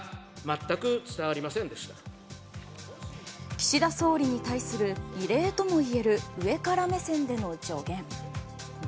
岸田総理に対する異例ともいえる上から目線での助言。